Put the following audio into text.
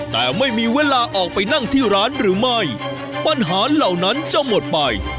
แต่ไม่มีเวลาออกไปนั่งที่ร้านหรือไม่ปัญหาเหล่านั้นจะหมดไป